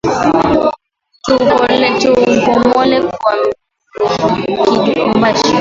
Tu pomole kibumbashi